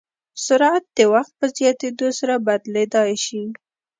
سرعت د وخت په زیاتېدو سره بدلېدای شي.